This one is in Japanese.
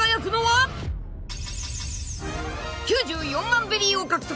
［９４万ベリーを獲得。